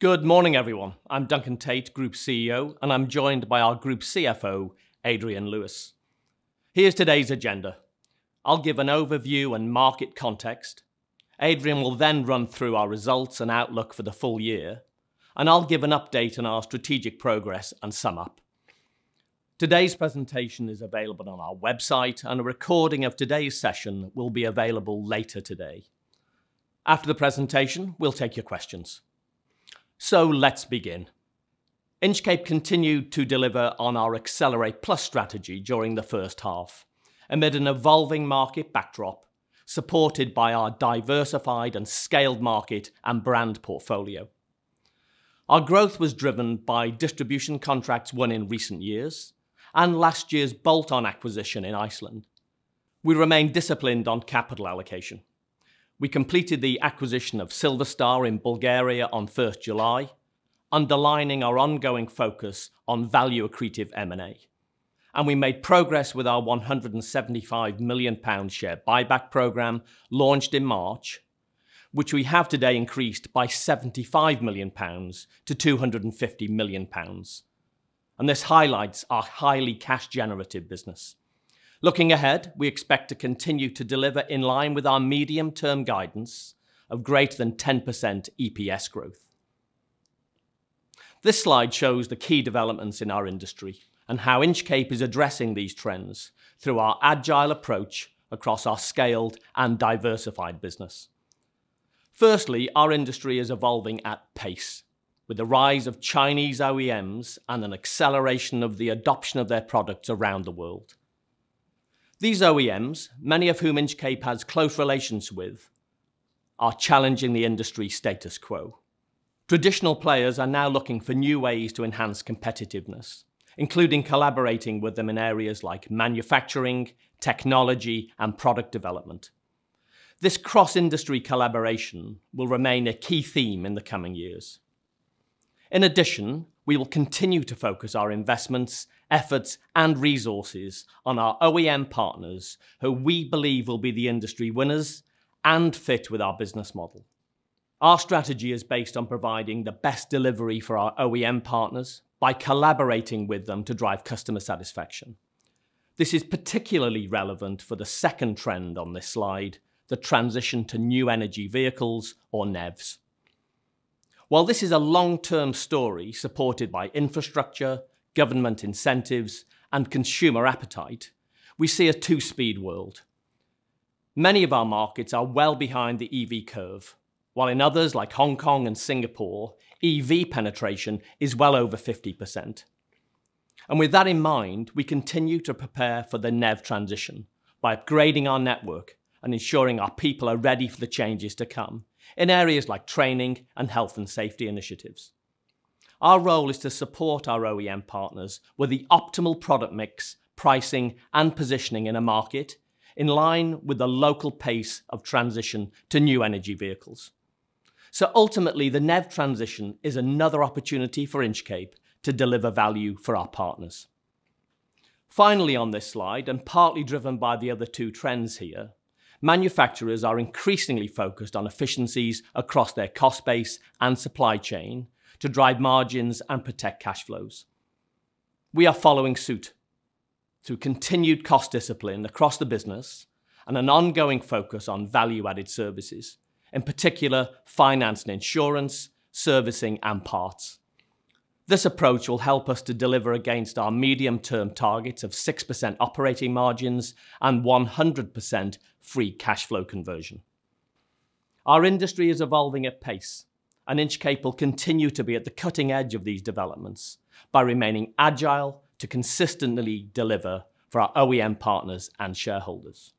Good morning, everyone. I'm Duncan Tait, Group CEO, and I'm joined by our Group CFO, Adrian Lewis. Here's today's agenda. I'll give an overview on market context. Adrian will run through our results and outlook for the full year, I'll give an update on our strategic progress and sum up. Today's presentation is available on our website, a recording of today's session will be available later today. After the presentation, we'll take your questions. Let's begin. Inchcape continued to deliver on our Accelerate+ strategy during the first half, amid an evolving market backdrop, supported by our diversified and scaled market and brand portfolio. Our growth was driven by distribution contracts won in recent years and last year's bolt-on acquisition in Iceland. We remain disciplined on capital allocation. We completed the acquisition of Silver Star in Bulgaria on 1st July, underlining our ongoing focus on value-accretive M&A, we made progress with our 175 million pound share buyback program launched in March, which we have today increased by 75 million-250 million pounds, this highlights our highly cash-generative business. Looking ahead, we expect to continue to deliver in line with our medium-term guidance of greater than 10% EPS growth. This slide shows the key developments in our industry and how Inchcape is addressing these trends through our agile approach across our scaled and diversified business. Firstly, our industry is evolving at pace, with the rise of Chinese OEMs an acceleration of the adoption of their products around the world. These OEMs, many of whom Inchcape has close relations with, are challenging the industry status quo. Traditional players are now looking for new ways to enhance competitiveness, including collaborating with them in areas like manufacturing, technology, and product development. This cross-industry collaboration will remain a key theme in the coming years. We will continue to focus our investments, efforts, and resources on our OEM partners, who we believe will be the industry winners and fit with our business model. Our strategy is based on providing the best delivery for our OEM partners by collaborating with them to drive customer satisfaction. This is particularly relevant for the second trend on this slide, the transition to new energy vehicles, or NEVs. While this is a long-term story supported by infrastructure, government incentives, and consumer appetite, we see a two-speed world. Many of our markets are well behind the EV curve, while in others, like Hong Kong and Singapore, EV penetration is well over 50%. With that in mind, we continue to prepare for the NEV transition by upgrading our network and ensuring our people are ready for the changes to come in areas like training and health and safety initiatives. Our role is to support our OEM partners with the optimal product mix, pricing, and positioning in a market in line with the local pace of transition to new energy vehicles. Ultimately, the NEV transition is another opportunity for Inchcape to deliver value for our partners. Finally, on this slide, partly driven by the other two trends here, manufacturers are increasingly focused on efficiencies across their cost base and supply chain to drive margins and protect cash flows. We are following suit through continued cost discipline across the business and an ongoing focus on value-added services, in particular finance and insurance, servicing, and parts. This approach will help us to deliver against our medium-term targets of 6% operating margins and 100% free cash flow conversion. Our industry is evolving at pace. Inchcape will continue to be at the cutting edge of these developments by remaining agile to consistently deliver for our OEM partners and shareholders.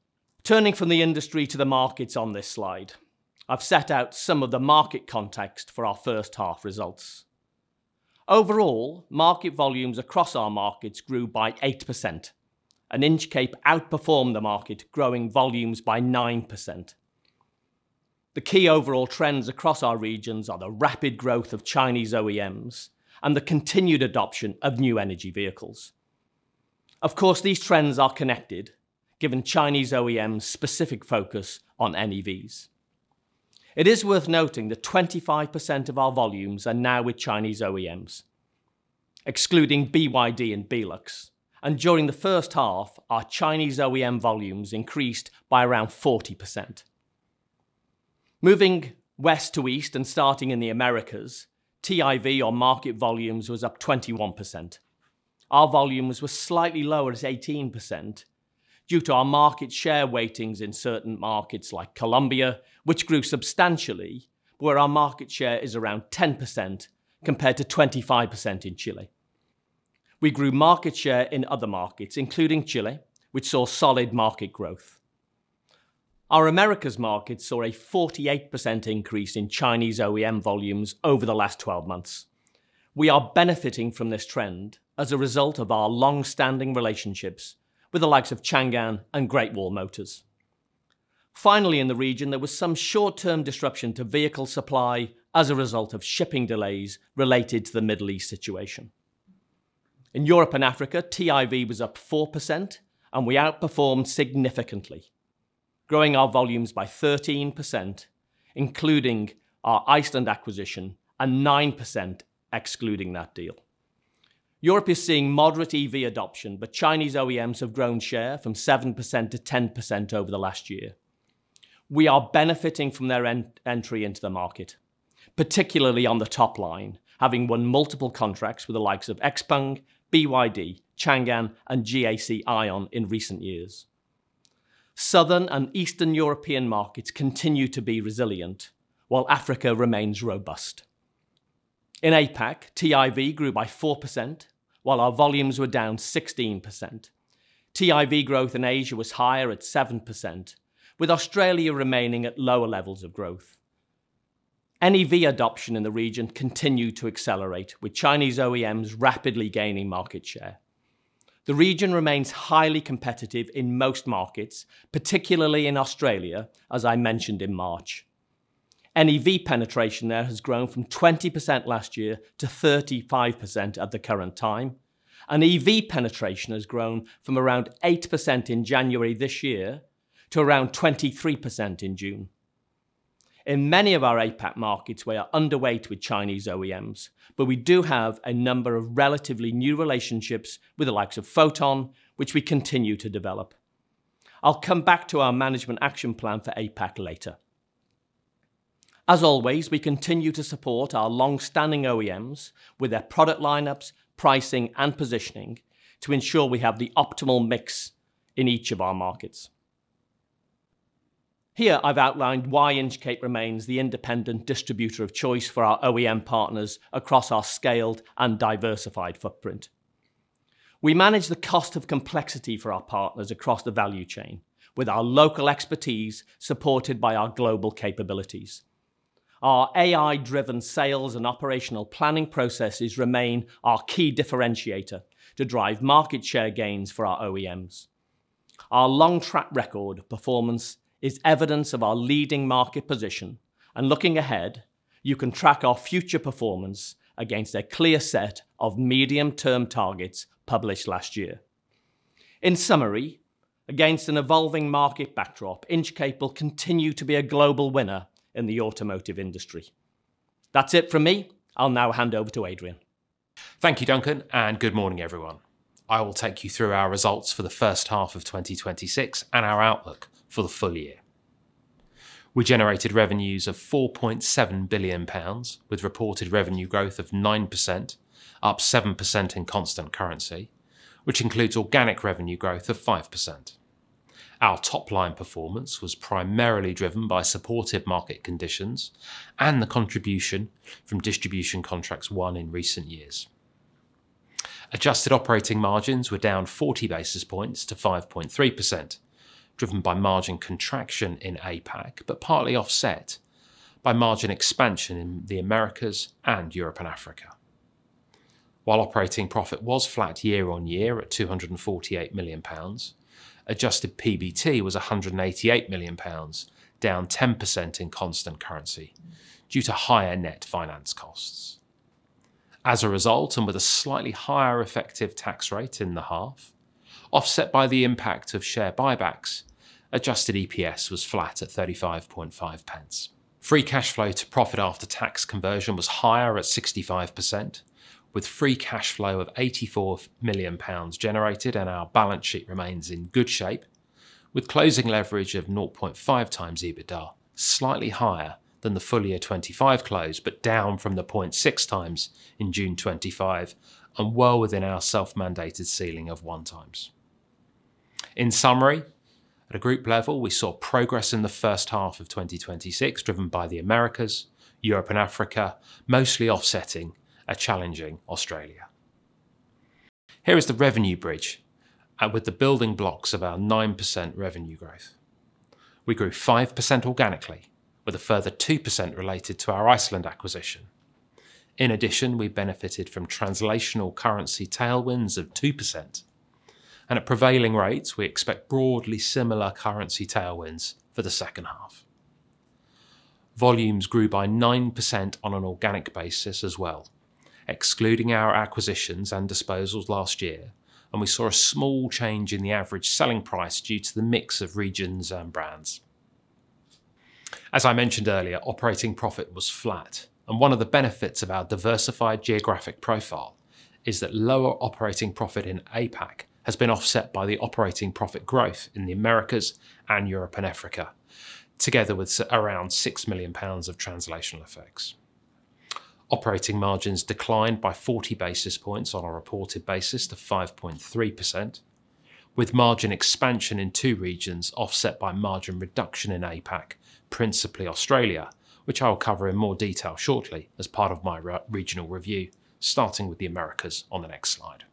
Turning from the industry to the markets on this slide, I've set out some of the market context for our first half results. Overall, market volumes across our markets grew by 8%. Inchcape outperformed the market, growing volumes by 9%. The key overall trends across our regions are the rapid growth of Chinese OEMs and the continued adoption of new energy vehicles. These trends are connected given Chinese OEMs' specific focus on NEVs. It is worth noting that 25% of our volumes are now with Chinese OEMs, excluding BYD and Belux. During the first half, our Chinese OEM volumes increased by around 40%. Moving west to east and starting in the Americas, TIV or market volumes was up 21%. Our volumes were slightly lower as 18% due to our market share weightings in certain markets like Colombia, which grew substantially, where our market share is around 10% compared to 25% in Chile. We grew market share in other markets, including Chile, which saw solid market growth. Our Americas market saw a 48% increase in Chinese OEM volumes over the last 12 months. We are benefiting from this trend as a result of our longstanding relationships with the likes of Changan and Great Wall Motors. Finally, in the region, there was some short-term disruption to vehicle supply as a result of shipping delays related to the Middle East situation. In Europe and Africa, TIV was up 4%. We outperformed significantly, growing our volumes by 13%, including our Iceland acquisition, and 9% excluding that deal. Europe is seeing moderate EV adoption. Chinese OEMs have grown share from 7%-10% over the last year. We are benefiting from their entry into the market, particularly on the top line, having won multiple contracts with the likes of XPENG, BYD, Changan, and GAC AION in recent years. Southern and Eastern European markets continue to be resilient, while Africa remains robust. In APAC, TIV grew by 4%, while our volumes were down 16%. TIV growth in Asia was higher at 7%, with Australia remaining at lower levels of growth. NEV adoption in the region continued to accelerate, with Chinese OEMs rapidly gaining market share. The region remains highly competitive in most markets, particularly in Australia, as I mentioned in March. NEV penetration there has grown from 20% last year to 35% at the current time. EV penetration has grown from around 8% in January this year to around 23% in June. In many of our APAC markets, we are underweight with Chinese OEMs. We do have a number of relatively new relationships with the likes of Foton, which we continue to develop. I'll come back to our management action plan for APAC later. As always, we continue to support our longstanding OEMs with their product lineups, pricing, and positioning to ensure we have the optimal mix in each of our markets. Here, I've outlined why Inchcape remains the independent distributor of choice for our OEM partners across our scaled and diversified footprint. We manage the cost of complexity for our partners across the value chain with our local expertise, supported by our global capabilities. Our AI-driven sales and operational planning processes remain our key differentiator to drive market share gains for our OEMs. Our long track record performance is evidence of our leading market position, and looking ahead, you can track our future performance against a clear set of medium-term targets published last year. In summary, against an evolving market backdrop, Inchcape will continue to be a global winner in the automotive industry. That's it from me. I'll now hand over to Adrian. Thank you, Duncan, and good morning, everyone. I will take you through our results for the first half of 2026 and our outlook for the full year. We generated revenues of 4.7 billion pounds, with reported revenue growth of 9%, up 7% in constant currency, which includes organic revenue growth of 5%. Our top-line performance was primarily driven by supportive market conditions and the contribution from distribution contracts won in recent years. Adjusted operating margins were down 40 basis points to 5.3%, driven by margin contraction in APAC, but partly offset by margin expansion in the Americas and Europe and Africa. While operating profit was flat year-on-year at 248 million pounds, adjusted PBT was 188 million pounds, down 10% in constant currency due to higher net finance costs. As a result, and with a slightly higher effective tax rate in the half, offset by the impact of share buybacks, adjusted EPS was flat at 0.355. Free cash flow to profit after tax conversion was higher at 65%, with free cash flow of 84 million pounds generated, and our balance sheet remains in good shape, with closing leverage of 0.5x EBITDA, slightly higher than the full year 2025 close, but down from the 0.6x in June 2025, and well within our self-mandated ceiling of 1x. In summary, at a group level, we saw progress in the first half of 2026, driven by the Americas, Europe and Africa, mostly offsetting a challenging Australia. Here is the revenue bridge with the building blocks of our 9% revenue growth. We grew 5% organically, with a further 2% related to our Iceland acquisition. In addition, we benefited from translational currency tailwinds of 2%, and at prevailing rates, we expect broadly similar currency tailwinds for the second half. Volumes grew by 9% on an organic basis as well, excluding our acquisitions and disposals last year, and we saw a small change in the average selling price due to the mix of regions and brands. As I mentioned earlier, operating profit was flat, and one of the benefits of our diversified geographic profile is that lower operating profit in APAC has been offset by the operating profit growth in the Americas and Europe and Africa, together with around 6 million pounds of translational effects. Operating margins declined by 40 basis points on a reported basis to 5.3%, with margin expansion in two regions offset by margin reduction in APAC, principally Australia, which I will cover in more detail shortly as part of my regional review, starting with the Americas on the next slide.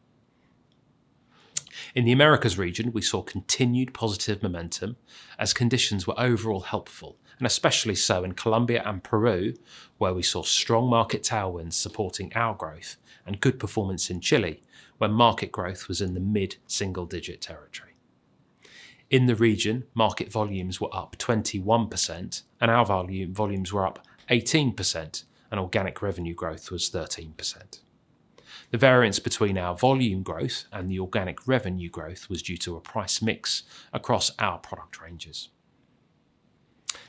In the Americas region, we saw continued positive momentum as conditions were overall helpful, especially so in Colombia and Peru, where we saw strong market tailwinds supporting our growth and good performance in Chile, where market growth was in the mid-single-digit territory. In the region, market volumes were up 21%, our volumes were up 18%, organic revenue growth was 13%. The variance between our volume growth and the organic revenue growth was due to a price mix across our product ranges.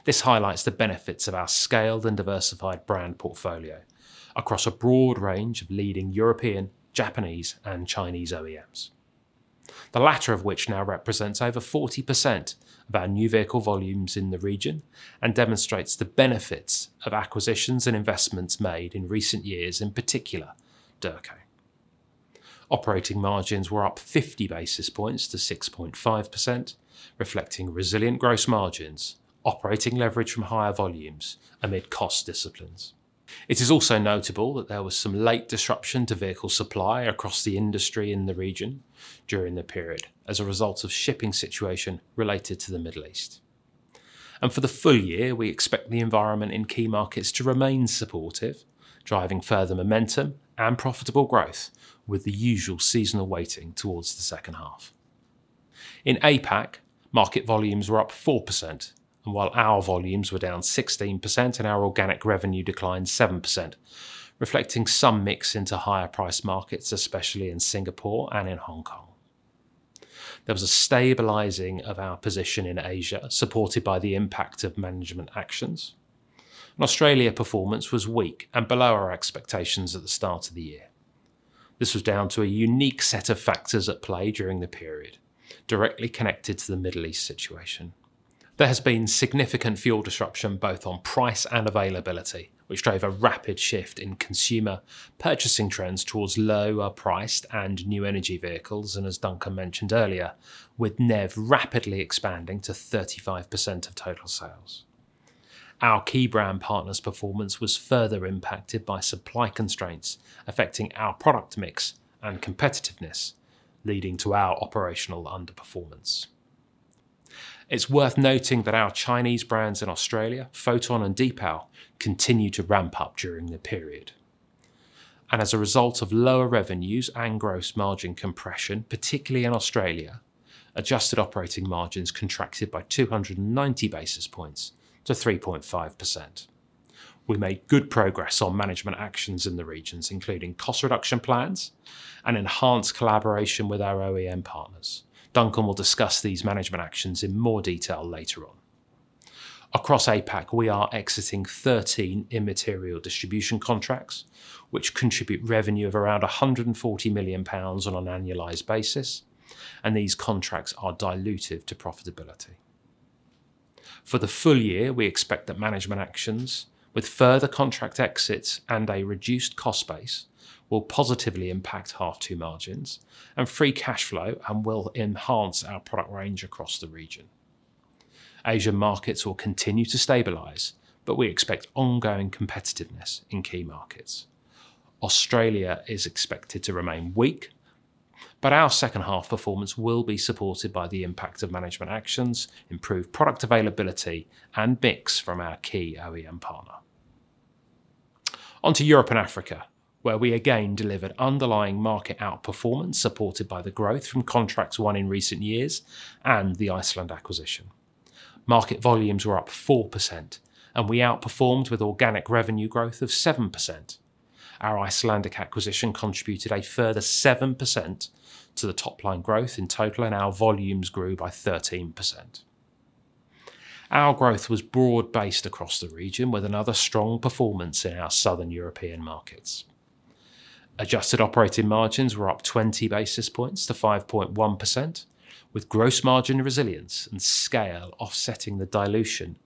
This highlights the benefits of our scaled and diversified brand portfolio across a broad range of leading European, Japanese, and Chinese OEMs. The latter of which now represents over 40% of our new vehicle volumes in the region and demonstrates the benefits of acquisitions and investments made in recent years, in particular Derco. Operating margins were up 50 basis points to 6.5%, reflecting resilient gross margins, operating leverage from higher volumes amid cost disciplines. It is also notable that there was some late disruption to vehicle supply across the industry in the region during the period as a result of shipping situation related to the Middle East. For the full year, we expect the environment in key markets to remain supportive, driving further momentum and profitable growth with the usual seasonal weighting towards the second half. In APAC, market volumes were up 4%, while our volumes were down 16% and our organic revenue declined 7%, reflecting some mix into higher priced markets, especially in Singapore and in Hong Kong. There was a stabilizing of our position in Asia, supported by the impact of management actions. Australia performance was weak and below our expectations at the start of the year. This was down to a unique set of factors at play during the period, directly connected to the Middle East situation. There has been significant fuel disruption, both on price and availability, which drove a rapid shift in consumer purchasing trends towards lower priced and new energy vehicles, as Duncan mentioned earlier, with NEV rapidly expanding to 35% of total sales. Our key brand partners' performance was further impacted by supply constraints affecting our product mix and competitiveness, leading to our operational underperformance. It is worth noting that our Chinese brands in Australia, Foton and Deepal, continued to ramp up during the period. As a result of lower revenues and gross margin compression, particularly in Australia, adjusted operating margins contracted by 290 basis points to 3.5%. We made good progress on management actions in the regions, including cost reduction plans and enhanced collaboration with our OEM partners. Duncan will discuss these management actions in more detail later on. Across APAC, we are exiting 13 immaterial distribution contracts, which contribute revenue of around 140 million pounds on an annualized basis. These contracts are dilutive to profitability. For the full year, we expect that management actions with further contract exits and a reduced cost base will positively impact half two margins and free cash flow, will enhance our product range across the region. Asian markets will continue to stabilize. We expect ongoing competitiveness in key markets. Australia is expected to remain weak, but our second half performance will be supported by the impact of management actions, improved product availability, and mix from our key OEM partner. On to Europe and Africa, where we again delivered underlying market outperformance supported by the growth from contracts won in recent years and the Iceland acquisition. Market volumes were up 4%. We outperformed with organic revenue growth of 7%. Our Icelandic acquisition contributed a further 7% to the top line growth in total. Our volumes grew by 13%. Our growth was broad-based across the region with another strong performance in our Southern European markets. Adjusted operating margins were up 20 basis points to 5.1%, with gross margin resilience and scale offsetting the dilution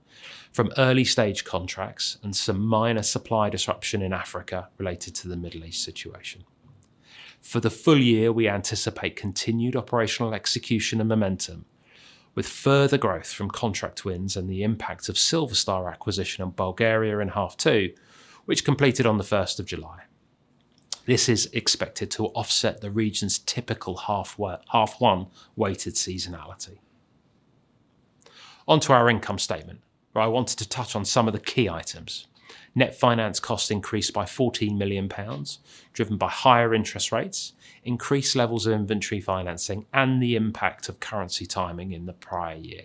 from early-stage contracts and some minor supply disruption in Africa related to the Middle East situation. For the full year, we anticipate continued operational execution and momentum with further growth from contract wins and the impact of Silver Star acquisition on Bulgaria in half two, which completed on the 1st of July. This is expected to offset the region's typical half one weighted seasonality. On to our income statement, where I wanted to touch on some of the key items. Net finance costs increased by 14 million pounds, driven by higher interest rates, increased levels of inventory financing, and the impact of currency timing in the prior year.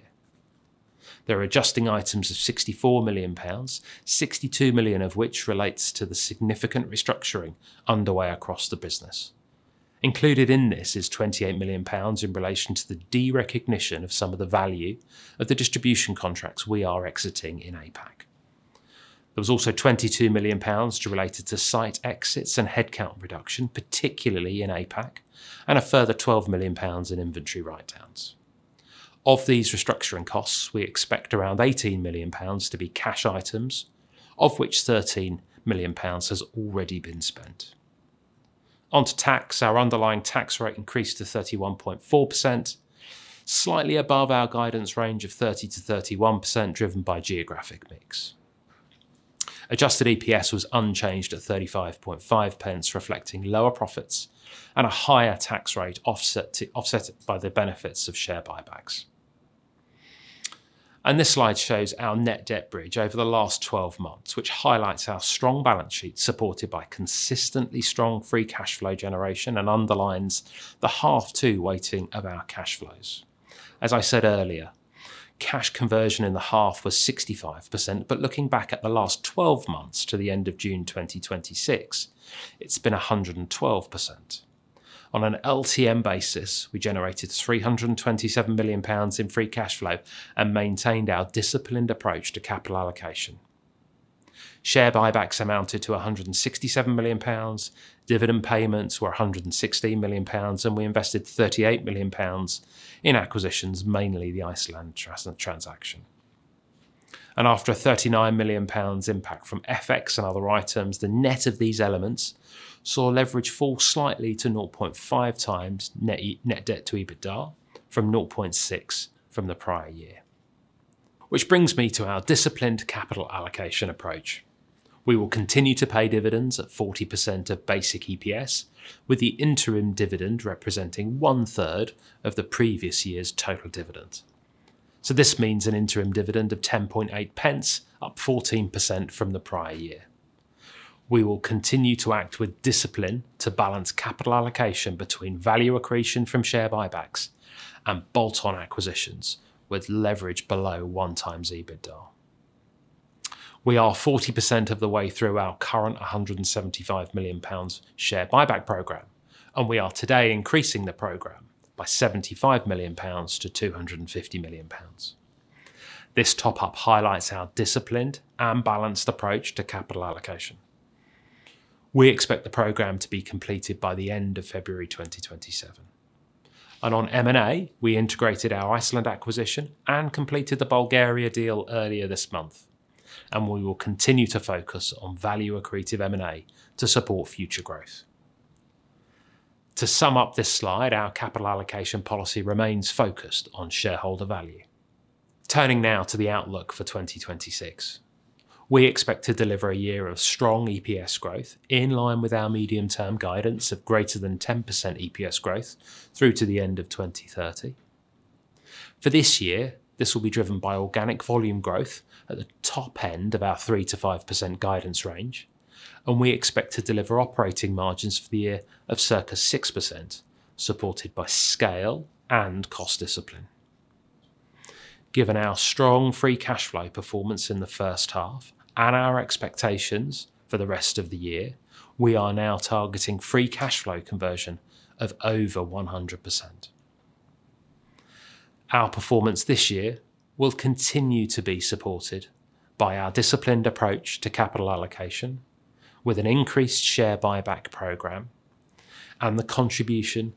There are adjusting items of 64 million pounds, 62 million of which relates to the significant restructuring underway across the business. Included in this is 28 million pounds in relation to the derecognition of some of the value of the distribution contracts we are exiting in APAC. There was also 22 million pounds related to site exits and headcount reduction, particularly in APAC, and a further 12 million pounds in inventory write-downs. Of these restructuring costs, we expect around 18 million pounds to be cash items, of which 13 million pounds has already been spent. On to tax. Our underlying tax rate increased to 31.4%, slightly above our guidance range of 30%-31%, driven by geographic mix. Adjusted EPS was unchanged at 0.355, reflecting lower profits and a higher tax rate offset by the benefits of share buybacks. This slide shows our net debt bridge over the last 12 months, which highlights our strong balance sheet, supported by consistently strong free cash flow generation and underlines the half two weighting of our cash flows. As I said earlier, cash conversion in the half was 65%. Looking back at the last 12 months to the end of June 2026, it's been 112%. On an LTM basis, we generated 327 million pounds in free cash flow and maintained our disciplined approach to capital allocation. Share buybacks amounted to 167 million pounds. Dividend payments were 116 million pounds. We invested 38 million pounds in acquisitions, mainly the Iceland transaction. After a 39 million pounds impact from FX and other items, the net of these elements saw leverage fall slightly to 0.5x net debt to EBITDA from 0.6x from the prior year. Which brings me to our disciplined capital allocation approach. We will continue to pay dividends at 40% of basic EPS, with the interim dividend representing one third of the previous year's total dividend. This means an interim dividend of 0.108 up 14% from the prior year. We will continue to act with discipline to balance capital allocation between value accretion from share buybacks and bolt-on acquisitions with leverage below one times EBITDA. We are 40% of the way through our current 175 million pounds share buyback program, and we are today increasing the program by 75 million-250 million pounds. This top-up highlights our disciplined and balanced approach to capital allocation. We expect the program to be completed by the end of February 2027. On M&A, we integrated our Iceland acquisition and completed the Bulgaria deal earlier this month. We will continue to focus on value accretive M&A to support future growth. To sum up this slide, our capital allocation policy remains focused on shareholder value. Turning now to the outlook for 2026. We expect to deliver a year of strong EPS growth in line with our medium-term guidance of greater than 10% EPS growth through to the end of 2030. For this year, this will be driven by organic volume growth at the top end of our 3%-5% guidance range. We expect to deliver operating margins for the year of circa 6%, supported by scale and cost discipline. Given our strong free cash flow performance in the first half and our expectations for the rest of the year, we are now targeting free cash flow conversion of over 100%. Our performance this year will continue to be supported by our disciplined approach to capital allocation, with an increased share buyback program and the contribution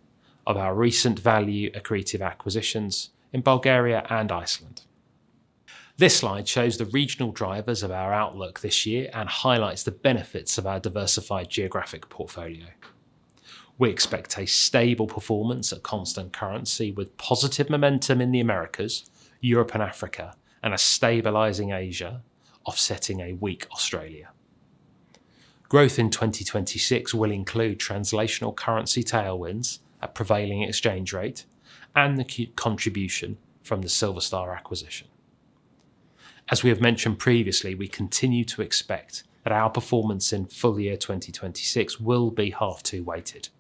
of our recent value accretive acquisitions in Bulgaria and Iceland. This slide shows the regional drivers of our outlook this year and highlights the benefits of our diversified geographic portfolio. We expect a stable performance at constant currency with positive momentum in the Americas, Europe and Africa, and a stabilizing Asia offsetting a weak Australia. Growth in 2026 will include translational currency tailwinds at prevailing exchange rate and the contribution from the Silver Star acquisition. As we have mentioned previously, we continue to expect that our performance in full year 2026 will be half two-weighted.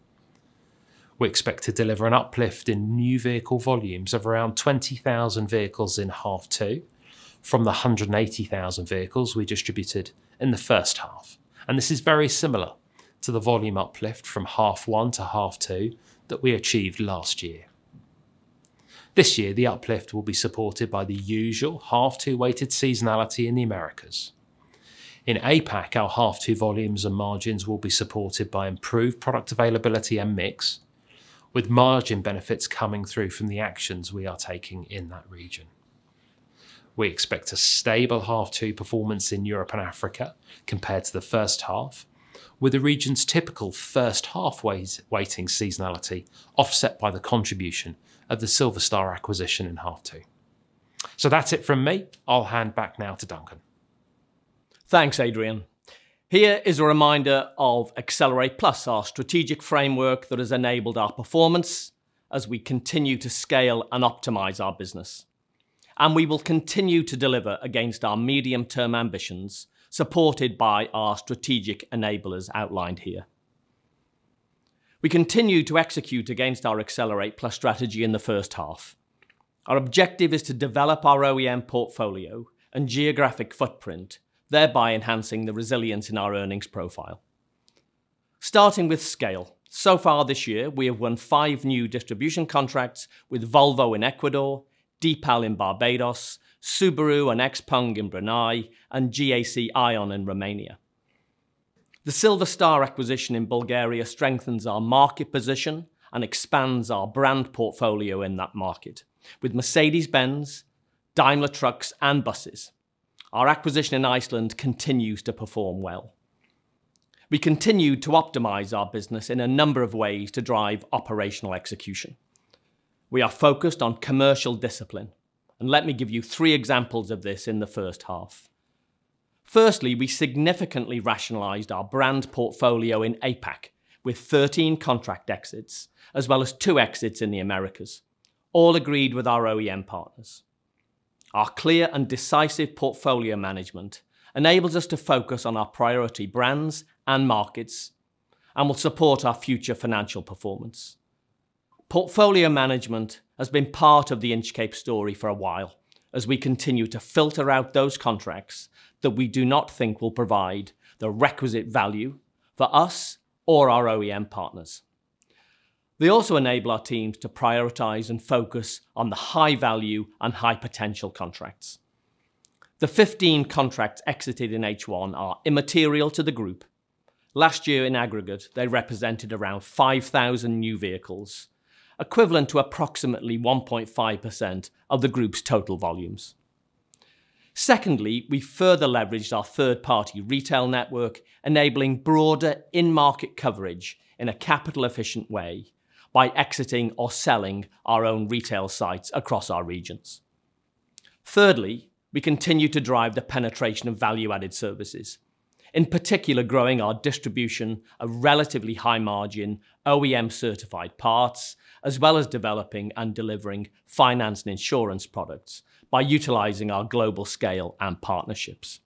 We expect to deliver an uplift in new vehicle volumes of around 20,000 vehicles in half two from the 180,000 vehicles we distributed in the first half. This is very similar to the volume uplift from half one to half two that we achieved last year. This year, the uplift will be supported by the usual half two-weighted seasonality in the Americas. In APAC, our half two volumes and margins will be supported by improved product availability and mix, with margin benefits coming through from the actions we are taking in that region. We expect a stable half two performance in Europe and Africa compared to the first half, with the region's typical first half weighting seasonality offset by the contribution of the Silver Star acquisition in half two. That's it from me. I'll hand back now to Duncan. Thanks, Adrian. Here is a reminder of Accelerate+, our strategic framework that has enabled our performance as we continue to scale and optimize our business. We will continue to deliver against our medium-term ambitions, supported by our strategic enablers outlined here. We continue to execute against our Accelerate+ strategy in the first half. Our objective is to develop our OEM portfolio and geographic footprint, thereby enhancing the resilience in our earnings profile. Starting with scale, so far this year we have won five new distribution contracts with Volvo in Ecuador, Deepal in Barbados, Subaru and XPENG in Brunei, and GAC AION in Romania. The Silver Star acquisition in Bulgaria strengthens our market position and expands our brand portfolio in that market with Mercedes-Benz, Daimler Trucks, and Buses. Our acquisition in Iceland continues to perform well. We continue to optimize our business in a number of ways to drive operational execution. We are focused on commercial discipline, and let me give you three examples of this in the first half. Firstly, we significantly rationalized our brand portfolio in APAC with 13 contract exits, as well as two exits in the Americas, all agreed with our OEM partners. Our clear and decisive portfolio management enables us to focus on our priority brands and markets and will support our future financial performance. Portfolio management has been part of the Inchcape story for a while, as we continue to filter out those contracts that we do not think will provide the requisite value for us or our OEM partners. They also enable our teams to prioritize and focus on the high-value and high-potential contracts. The 15 contracts exited in H1 are immaterial to the group. Last year, in aggregate, they represented around 5,000 new vehicles, equivalent to approximately 1.5% of the group's total volumes. Secondly, we further leveraged our third-party retail network, enabling broader in-market coverage in a capital efficient way by exiting or selling our own retail sites across our regions. Thirdly, we continue to drive the penetration of value-added services, in particular growing our distribution of relatively high margin OEM certified parts, as well as developing and delivering finance and insurance products by utilizing our global scale and partnerships.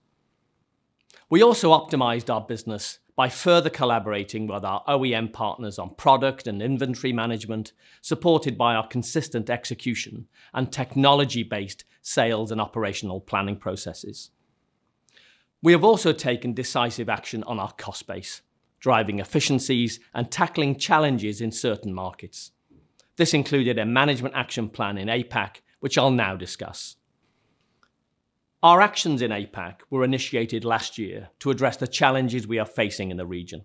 We also optimized our business by further collaborating with our OEM partners on product and inventory management, supported by our consistent execution and technology-based sales and operational planning processes. We have also taken decisive action on our cost base, driving efficiencies and tackling challenges in certain markets. This included a management action plan in APAC, which I will now discuss. Our actions in APAC were initiated last year to address the challenges we are facing in the region.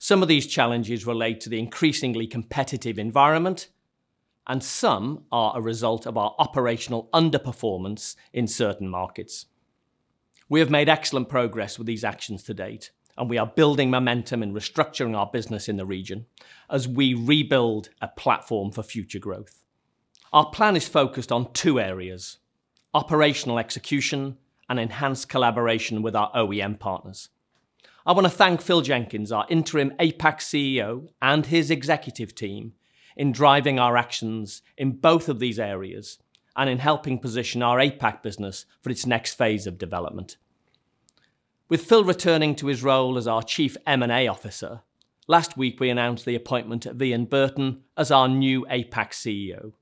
Some of these challenges relate to the increasingly competitive environment, and some are a result of our operational underperformance in certain markets. We have made excellent progress with these actions to date. We are building momentum and restructuring our business in the region as we rebuild a platform for future growth. Our plan is focused on two areas, operational execution and enhanced collaboration with our OEM partners. I want to thank Phil Jenkins, our interim APAC CEO, and his executive team in driving our actions in both of these areas and in helping position our APAC business for its next phase of development. With Phil returning to his role as our Chief M&A Officer, last week we announced the appointment of Ian Burton as our new APAC CEO.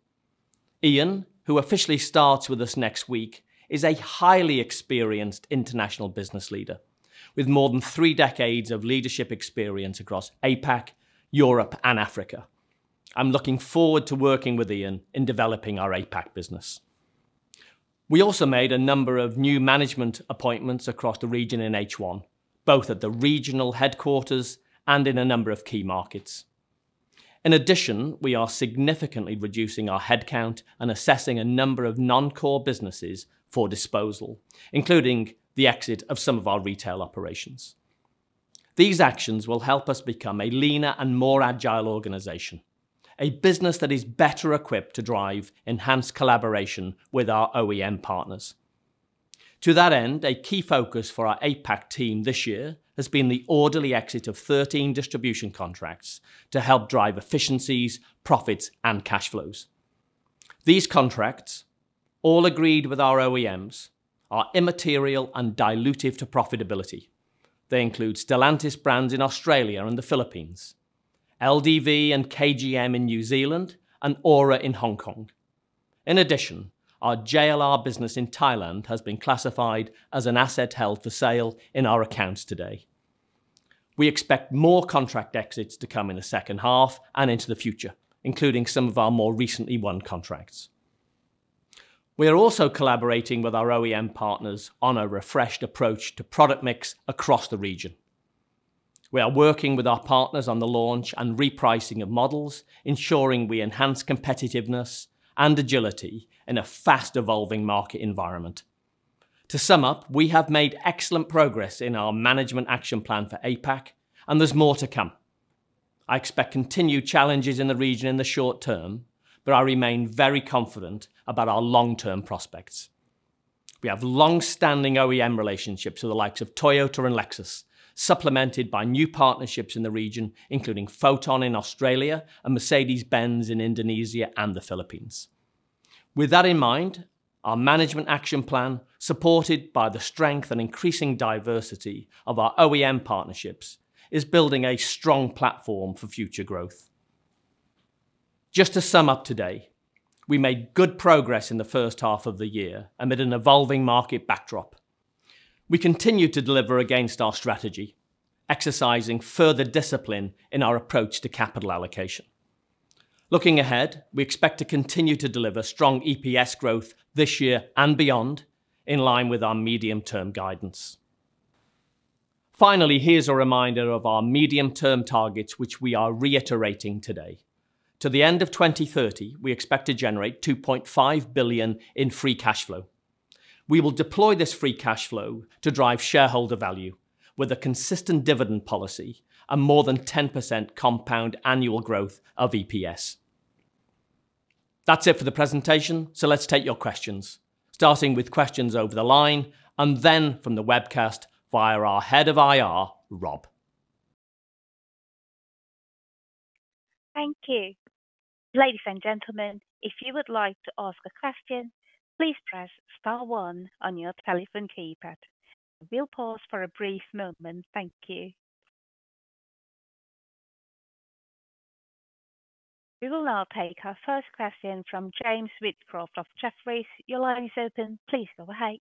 Ian, who officially starts with us next week, is a highly experienced international business leader with more than three decades of leadership experience across APAC, Europe, and Africa. I'm looking forward to working with Ian in developing our APAC business. We also made a number of new management appointments across the region in H1, both at the regional headquarters and in a number of key markets. In addition, we are significantly reducing our headcount and assessing a number of non-core businesses for disposal, including the exit of some of our retail operations. These actions will help us become a leaner and more agile organization, a business that is better equipped to drive enhanced collaboration with our OEM partners. To that end, a key focus for our APAC team this year has been the orderly exit of 13 distribution contracts to help drive efficiencies, profits, and cash flows. These contracts, all agreed with our OEMs, are immaterial and dilutive to profitability. They include Stellantis brands in Australia and the Philippines, LDV and KGM in New Zealand, and ORA in Hong Kong. In addition, our JLR business in Thailand has been classified as an asset held for sale in our accounts today. We expect more contract exits to come in the second half and into the future, including some of our more recently won contracts. We are also collaborating with our OEM partners on a refreshed approach to product mix across the region. We are working with our partners on the launch and repricing of models, ensuring we enhance competitiveness and agility in a fast evolving market environment. To sum up, we have made excellent progress in our management action plan for APAC, and there's more to come. I expect continued challenges in the region in the short term, but I remain very confident about our long-term prospects. We have longstanding OEM relationships with the likes of Toyota and Lexus, supplemented by new partnerships in the region, including Foton in Australia and Mercedes-Benz in Indonesia and the Philippines. With that in mind, our management action plan, supported by the strength and increasing diversity of our OEM partnerships, is building a strong platform for future growth. Just to sum up today, we made good progress in the first half of the year amid an evolving market backdrop. We continue to deliver against our strategy, exercising further discipline in our approach to capital allocation. Looking ahead, we expect to continue to deliver strong EPS growth this year and beyond, in line with our medium-term guidance. Finally, here's a reminder of our medium-term targets, which we are reiterating today. To the end of 2030, we expect to generate 2.5 billion in free cash flow. We will deploy this free cash flow to drive shareholder value with a consistent dividend policy and more than 10% compound annual growth of EPS. That's it for the presentation. Let's take your questions, starting with questions over the line and then from the webcast via our head of IR, Rob. Thank you. Ladies and gentlemen, if you would like to ask a question, please press star one on your telephone keypad. We'll pause for a brief moment. Thank you. We will now take our first question from James Wheatcroft of Jefferies. Your line is open. Please go ahead.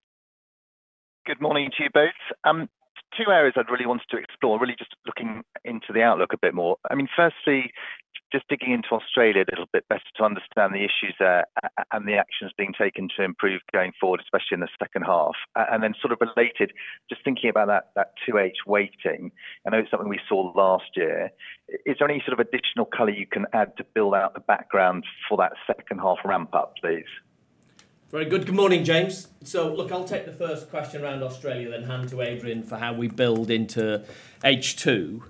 Good morning to you both. Two areas I'd really wanted to explore, really just looking into the outlook a bit more. Firstly, just digging into Australia little bit better to understand the issues there and the actions being taken to improve going forward, especially in the second half. Then sort of related, just thinking about that 2H weighting. I know it's something we saw last year. Is there any sort of additional color you can add to build out the background for that second half ramp up, please? Very good. Good morning, James. Look, I'll take the first question around Australia, then hand to Adrian for how we build into H2.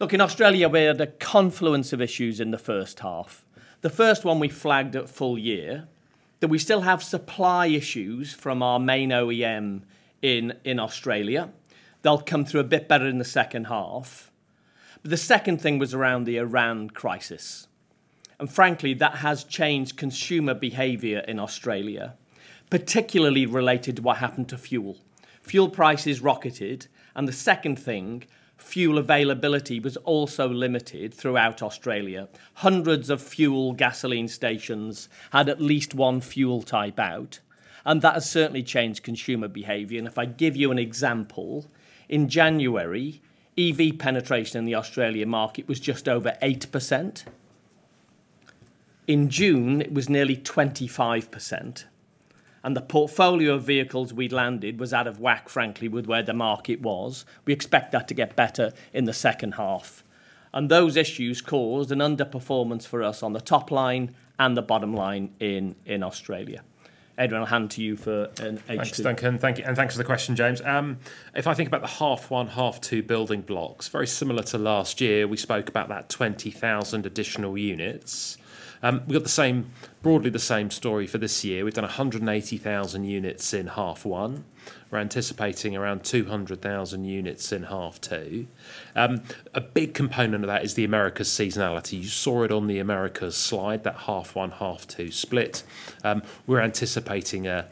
Look, in Australia, we had a confluence of issues in the first half. The first one we flagged at full year, that we still have supply issues from our main OEM in Australia. They'll come through a bit better in the second half. The second thing was around the Iran crisis, frankly, that has changed consumer behavior in Australia, particularly related to what happened to fuel. Fuel prices rocketed, the second thing, fuel availability was also limited throughout Australia. Hundreds of fuel gasoline stations had at least one fuel type out, and that has certainly changed consumer behavior. If I give you an example, in January, EV penetration in the Australian market was just over 8%. In June, it was nearly 25%. The portfolio of vehicles we'd landed was out of whack, frankly, with where the market was. We expect that to get better in the second half. Those issues caused an underperformance for us on the top line and the bottom line in Australia. Adrian, I'll hand to you for an H2. Thanks, Duncan. Thank you. Thanks for the question, James. If I think about the half one, half two building blocks, very similar to last year, we spoke about that 20,000 additional units. We've got broadly the same story for this year. We've done 180,000 units in half one. We're anticipating around 200,000 units in half two. A big component of that is the Americas seasonality. You saw it on the Americas slide, that half one, half two split. We're anticipating a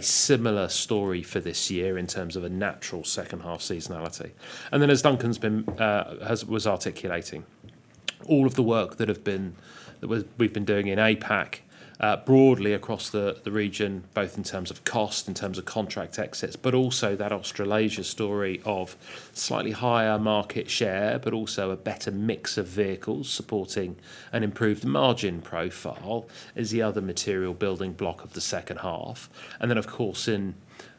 similar story for this year in terms of a natural second half seasonality. As Duncan was articulating, all of the work that we've been doing in APAC, broadly across the region, both in terms of cost, in terms of contract exits, but also that Australasia story of slightly higher market share, but also a better mix of vehicles supporting an improved margin profile is the other material building block of the second half. Of course,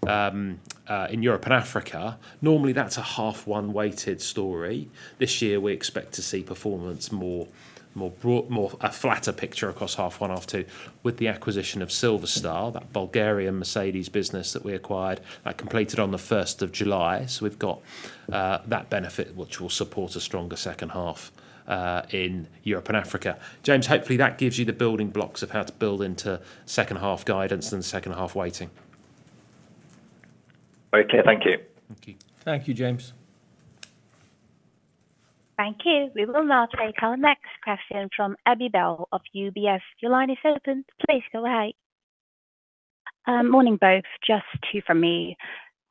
in Europe and Africa, normally that's a half one weighted story. This year we expect to see performance more a flatter picture across half one, half two with the acquisition of Silver Star, that Bulgarian Mercedes business that we acquired, that completed on the 1st of July. We've got that benefit, which will support a stronger second half, in Europe and Africa. James, hopefully, that gives you the building blocks of how to build into second half guidance and second half weighting. Okay. Thank you. Thank you. Thank you, James. Thank you. We will now take our next question from Abi Bell of UBS. Your line is open. Please go ahead. Morning, both. Just two from me.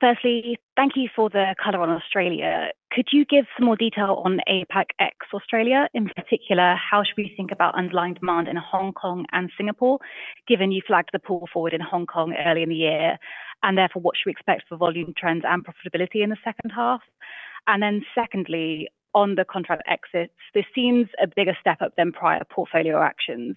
Firstly, thank you for the color on Australia. Could you give some more detail on APAC ex-Australia? In particular, how should we think about underlying demand in Hong Kong and Singapore, given you flagged the pull forward in Hong Kong early in the year, therefore, what should we expect for volume trends and profitability in the second half? Secondly, on the contract exits, this seems a bigger step up than prior portfolio actions.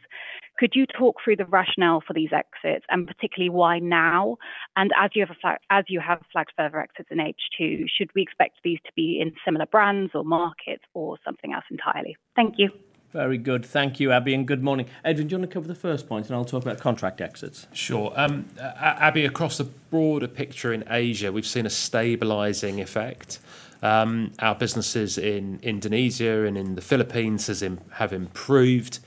Could you talk through the rationale for these exits, and particularly why now? As you have flagged further exits in H2, should we expect these to be in similar brands or markets or something else entirely? Thank you. Very good. Thank you, Abi, and good morning. Adrian, do you want to cover the first point, and I'll talk about contract exits? Sure. Abi, across the broader picture in Asia, we've seen a stabilizing effect. Our businesses in Indonesia and in the Philippines have improved,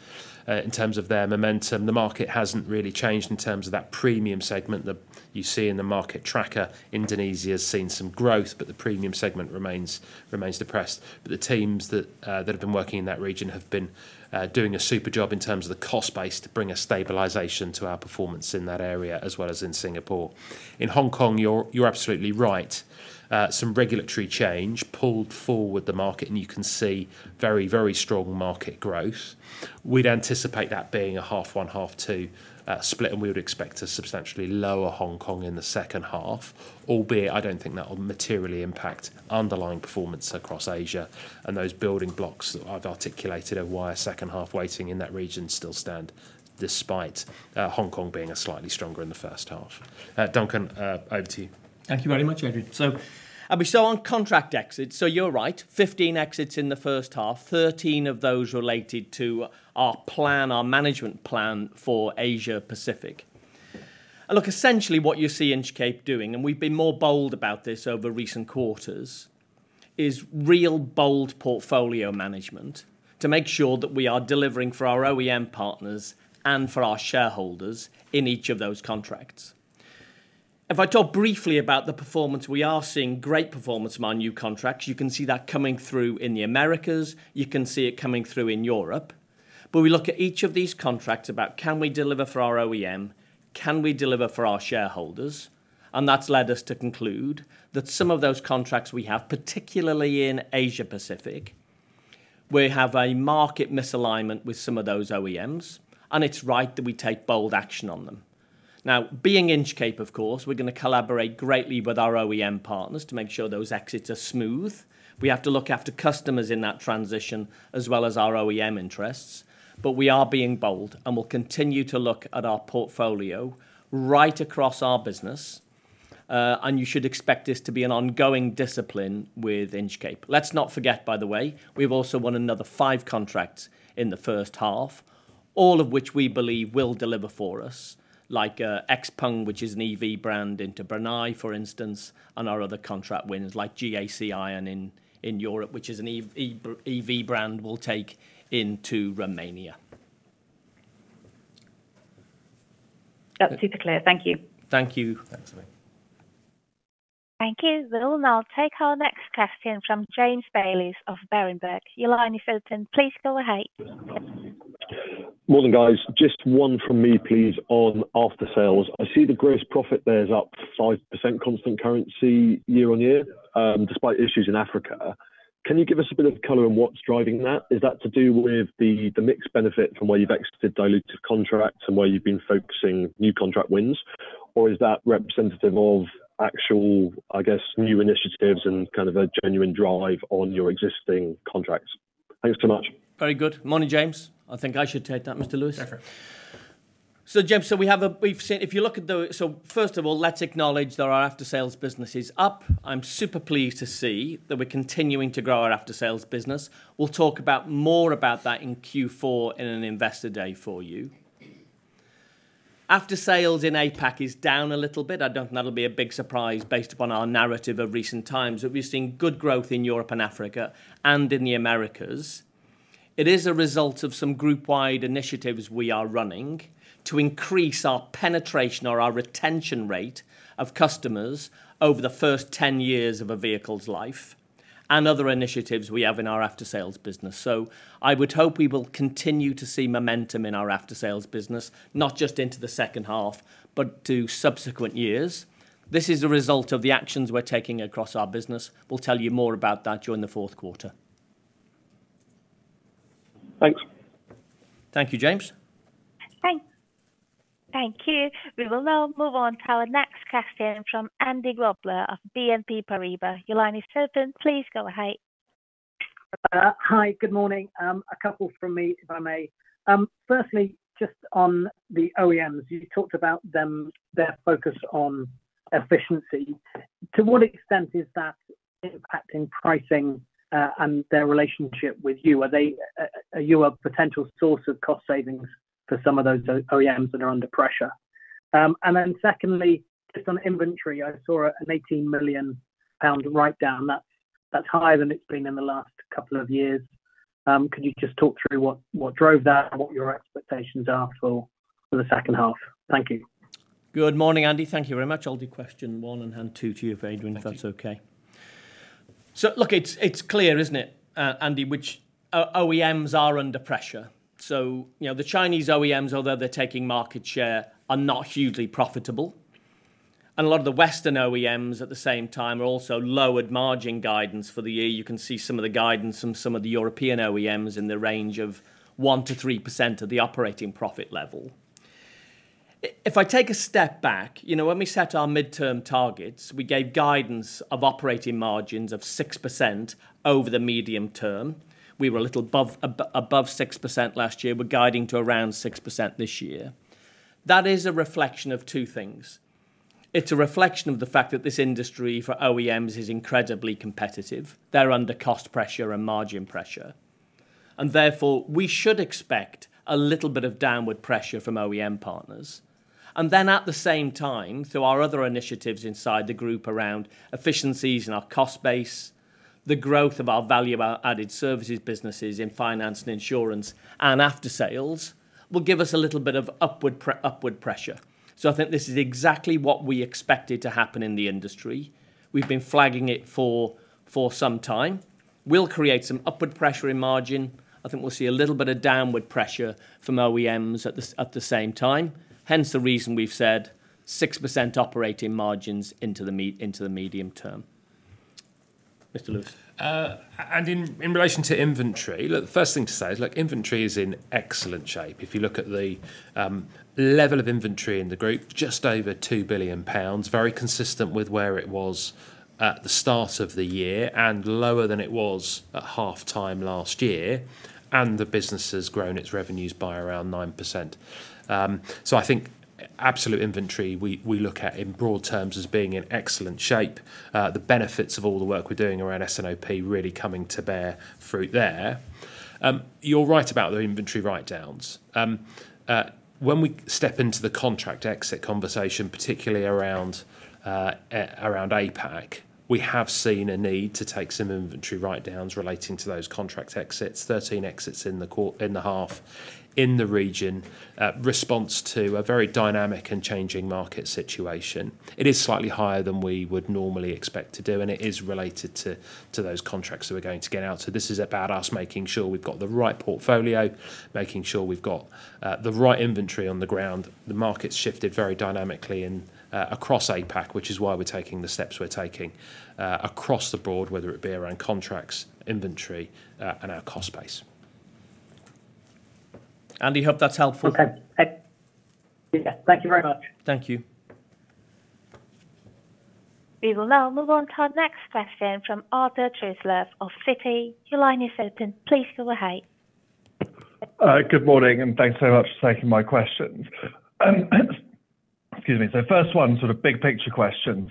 in terms of their momentum. The market hasn't really changed in terms of that premium segment that you see in the market tracker. Indonesia's seen some growth, but the premium segment remains depressed. The teams that have been working in that region have been doing a super job in terms of the cost base to bring a stabilization to our performance in that area, as well as in Singapore. In Hong Kong, you're absolutely right. Some regulatory change pulled forward the market, and you can see very, very strong market growth. We'd anticipate that being a half one, half two split, and we would expect to substantially lower Hong Kong in the second half. I don't think that will materially impact underlying performance across Asia and those building blocks that I've articulated of why a second half waiting in that region still stand despite Hong Kong being slightly stronger in the first half. Duncan, over to you. Thank you very much, Adrian. Abi, on contract exits, you're right, 15 exits in the first half, 13 of those related to our management plan for Asia Pacific. Essentially what you see Inchcape doing, and we've been more bold about this over recent quarters, is real bold portfolio management to make sure that we are delivering for our OEM partners and for our shareholders in each of those contracts. If I talk briefly about the performance, we are seeing great performance in my new contracts. You can see that coming through in the Americas. You can see it coming through in Europe. We look at each of these contracts about can we deliver for our OEM, can we deliver for our shareholders? That's led us to conclude that some of those contracts we have, particularly in Asia Pacific, we have a market misalignment with some of those OEMs, and it's right that we take bold action on them. Being Inchcape, of course, we're going to collaborate greatly with our OEM partners to make sure those exits are smooth. We have to look after customers in that transition as well as our OEM interests. We are being bold and will continue to look at our portfolio right across our business. You should expect this to be an ongoing discipline with Inchcape. Let's not forget, by the way, we've also won another five contracts in the first half, all of which we believe will deliver for us, like XPENG, which is an EV brand, into Brunei, for instance, and our other contract wins like GAC AION in Europe, which is an EV brand we'll take into Romania. That's super clear. Thank you. Thank you. Thanks, Abi. Thank you. We will now take our next question from James Bayliss of Berenberg. Your line is open. Please go ahead. Morning, guys. Just one from me, please, on aftersales. I see the gross profit there is up 5% constant currency year-on-year, despite issues in Africa. Can you give us a bit of color on what's driving that? Is that to do with the mix benefit from where you've exited dilutive contracts and where you've been focusing new contract wins? Is that representative of actual, I guess, new initiatives and kind of a genuine drive on your existing contracts? Thanks so much. Very good. Morning, James. I think I should take that, Mr. Lewis. Fair. James, first of all, let's acknowledge that our aftersales business is up. I'm super pleased to see that we're continuing to grow our aftersales business. We'll talk more about that in Q4 in an investor day for you. Aftersales in APAC is down a little bit. I don't think that'll be a big surprise based upon our narrative of recent times. We've seen good growth in Europe and Africa and in the Americas. It is a result of some group wide initiatives we are running to increase our penetration or our retention rate of customers over the first 10 years of a vehicle's life, and other initiatives we have in our aftersales business. I would hope we will continue to see momentum in our aftersales business, not just into the second half, but to subsequent years. This is a result of the actions we're taking across our business. We'll tell you more about that during the fourth quarter. Thanks. Thank you, James. Thanks. Thank you. We will now move on to our next question from Andy Grobler of BNP Paribas. Your line is open. Please go ahead. Hi. Good morning. A couple from me, if I may. Firstly, just on the OEMs, you talked about their focus on efficiency. To what extent is that impacting pricing and their relationship with you? Are you a potential source of cost savings for some of those OEMs that are under pressure? Secondly, just on inventory, I saw a 18 million pound write-down. That's higher than it's been in the last couple of years. Could you just talk through what drove that and what your expectations are for the second half? Thank you. Good morning, Andy. Thank you very much. I'll do question one and hand two to you, Adrian. If that's okay. Look, it's clear, isn't it, Andy, which OEMs are under pressure. The Chinese OEMs, although they're taking market share, are not hugely profitable. A lot of the Western OEMs at the same time are also lowered margin guidance for the year. You can see some of the guidance from some of the European OEMs in the range of 1%-3% of the operating profit level. If I take a step back, when we set our midterm targets, we gave guidance of operating margins of 6% over the medium term. We were a little above 6% last year. We're guiding to around 6% this year. That is a reflection of two things. It's a reflection of the fact that this industry for OEMs is incredibly competitive. They're under cost pressure and margin pressure. Therefore, we should expect a little bit of downward pressure from OEM partners. Then at the same time, our other initiatives inside the group around efficiencies and our cost base, the growth of our value added services businesses in finance and insurance and aftersales, will give us a little bit of upward pressure. I think this is exactly what we expected to happen in the industry. We've been flagging it for some time. We'll create some upward pressure in margin. I think we'll see a little bit of downward pressure from OEMs at the same time, hence the reason we've said 6% operating margins into the medium term. Mr. Lewis. In relation to inventory, look, the first thing to say is inventory is in excellent shape. If you look at the level of inventory in the group, just over 2 billion pounds, very consistent with where it was at the start of the year, and lower than it was at half-time last year. The business has grown its revenues by around 9%. I think absolute inventory, we look at in broad terms as being in excellent shape. The benefits of all the work we're doing around S&OP really coming to bear fruit there. You're right about the inventory write-downs. When we step into the contract exit conversation, particularly around APAC, we have seen a need to take some inventory write-downs relating to those contract exits, 13 exits in the half in the region, response to a very dynamic and changing market situation. It is slightly higher than we would normally expect to do, and it is related to those contracts that we're going to get out. This is about us making sure we've got the right portfolio, making sure we've got the right inventory on the ground. The market's shifted very dynamically across APAC, which is why we're taking the steps we're taking across the board, whether it be around contracts, inventory, and our cost base. Andy, hope that's helpful. Okay. Thank you very much. Thank you. We will now move on to our next question from Arthur Truslove of Citi. Your line is open. Please go ahead. Good morning. Thanks so much for taking my questions. Excuse me. First one, sort of big picture question.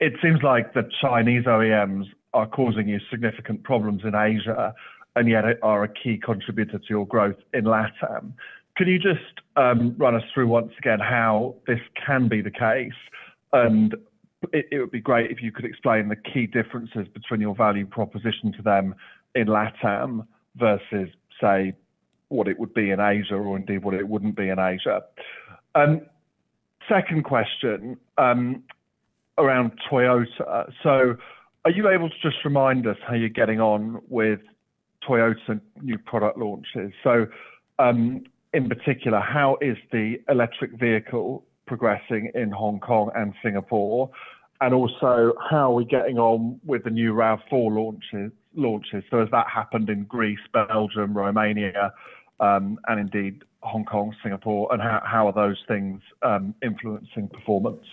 It seems like the Chinese OEMs are causing you significant problems in Asia, and yet are a key contributor to your growth in LATAM. Could you just run us through once again how this can be the case? It would be great if you could explain the key differences between your value proposition to them in LATAM versus, say, what it would be in Asia, or indeed what it wouldn't be in Asia. Second question, around Toyota. Are you able to just remind us how you're getting on with Toyota new product launches? In particular, how is the electric vehicle progressing in Hong Kong and Singapore? Also, how are we getting on with the new RAV4 launches? Has that happened in Greece, Belgium, Romania? Indeed, Hong Kong, Singapore. How are those things influencing performance?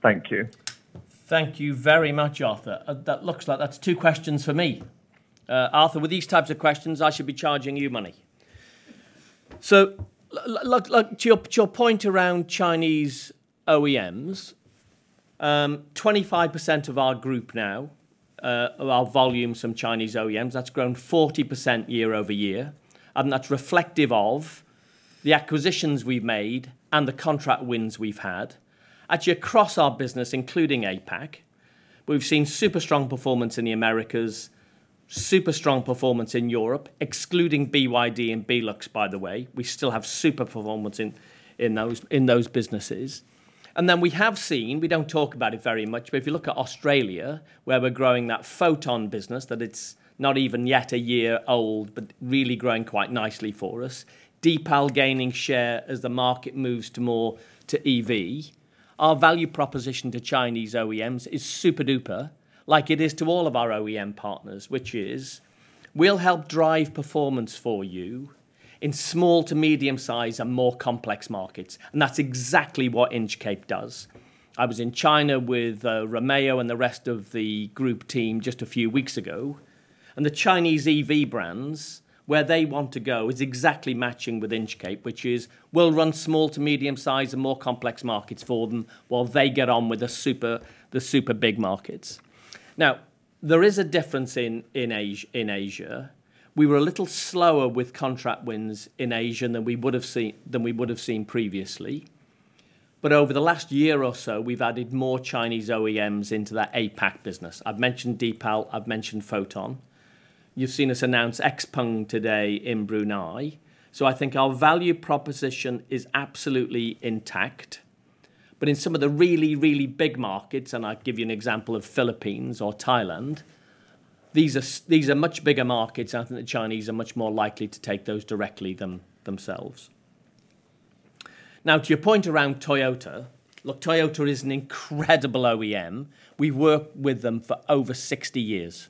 Thank you. Thank you very much, Arthur. That looks like that's two questions for me. Arthur, with these types of questions, I should be charging you money. To your point around Chinese OEMs, 25% of our group now, of our volumes from Chinese OEMs, that's grown 40% year-over-year, and that's reflective of the acquisitions we've made and the contract wins we've had. Actually, across our business, including APAC, we've seen super strong performance in the Americas, super strong performance in Europe, excluding BYD and Belux, by the way. We still have super performance in those businesses. We have seen, we don't talk about it very much, but if you look at Australia, where we're growing that Foton business, that it's not even yet a year old, but really growing quite nicely for us. Deepal gaining share as the market moves more to EV. Our value proposition to Chinese OEMs is super-duper, like it is to all of our OEM partners, which is we'll help drive performance for you in small to medium size and more complex markets. That's exactly what Inchcape does. I was in China with Romeo and the rest of the group team just a few weeks ago, the Chinese EV brands, where they want to go is exactly matching with Inchcape, which is we'll run small to medium size and more complex markets for them while they get on with the super big markets. There is a difference in Asia. We were a little slower with contract wins in Asia than we would have seen previously. Over the last year or so, we've added more Chinese OEMs into that APAC business. I've mentioned Deepal, I've mentioned Foton. You've seen us announce XPENG today in Brunei. I think our value proposition is absolutely intact. In some of the really, really big markets, I'll give you an example of Philippines or Thailand, these are much bigger markets. I think the Chinese are much more likely to take those directly themselves. To your point around Toyota. Look, Toyota is an incredible OEM. We've worked with them for over 60 years.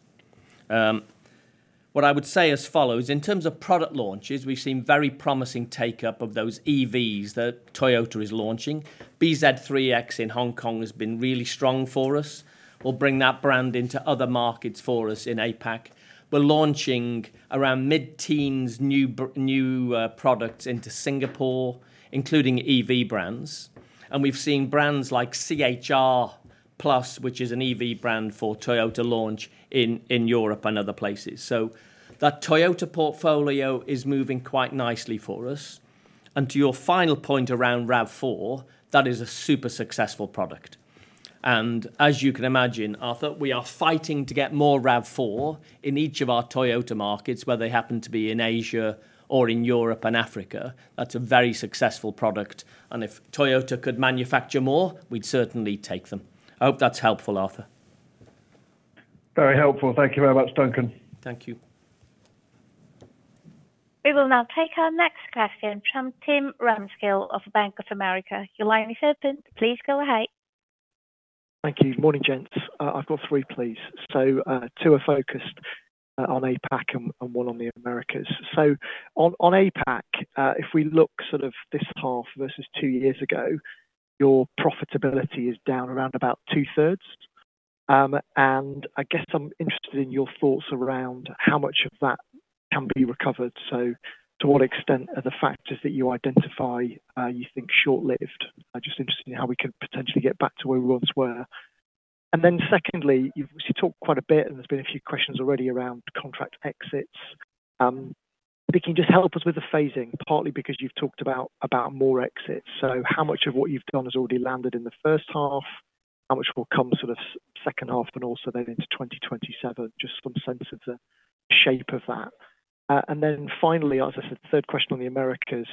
What I would say as follows, in terms of product launches, we've seen very promising take-up of those EVs that Toyota is launching. BZ3X in Hong Kong has been really strong for us. We'll bring that brand into other markets for us in APAC. We're launching around mid-teens new products into Singapore, including EV brands. We've seen brands like C-HR+, which is an EV brand for Toyota launch in Europe and other places. That Toyota portfolio is moving quite nicely for us. To your final point around RAV4, that is a super successful product. As you can imagine, Arthur, we are fighting to get more RAV4 in each of our Toyota markets, whether they happen to be in Asia or in Europe and Africa. That's a very successful product. If Toyota could manufacture more, we'd certainly take them. I hope that's helpful, Arthur. Very helpful. Thank you very much, Duncan. Thank you. We will now take our next question from Tim Ramskill of Bank of America. Your line is open. Please go ahead. Thank you. Morning, gents. I've got three, please. Two are focused on APAC and one on the Americas. On APAC, if we look this half versus two years ago, your profitability is down around about two-thirds. I guess I'm interested in your thoughts around how much of that can be recovered. To what extent are the factors that you identify, you think short-lived? Just interested in how we could potentially get back to where we once were. Secondly, you've obviously talked quite a bit, and there's been a few questions already around contract exits. Can you just help us with the phasing, partly because you've talked about more exits. How much of what you've done has already landed in the first half? How much more come second half and also then into 2027? Just some sense of the shape of that. Finally, as I said, third question on the Americas.